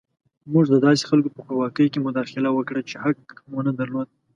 موږ د داسې خلکو په خپلواکۍ کې مداخله وکړه چې حق مو نه درلود.